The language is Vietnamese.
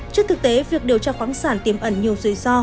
trước thực tế việc điều tra khoáng sản tiềm ẩn nhiều rủi ro